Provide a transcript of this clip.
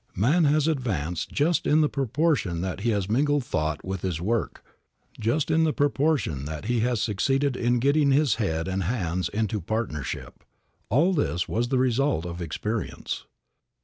Man has advanced just in the proportion that he has mingled thought with his work, just in the proportion that he has succeeded in getting his head and hands into partnership. All this was the result of experience.